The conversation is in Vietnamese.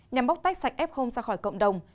nhằm bóc tách sạch f ra khỏi cộng đồng